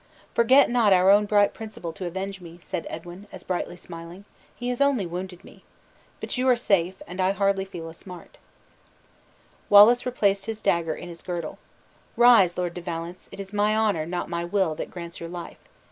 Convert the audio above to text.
"Forget not our own bright principle to avenge me," said Edwin, as brightly smiling; "he has only wounded me. But you are safe, and I hardly feel a smart." Wallace replaced his dagger in his girdle. "Rise, Lord de Valence; it is my honor, not my will, that grants your life.